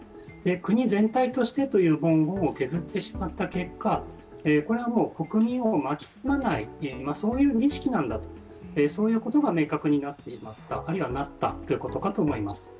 「国全体として」という文言を削ってしまった結果これはもう国民を巻き込まない、そういう儀式なんだということが明確になってしまった、あるいはなったということかと思います。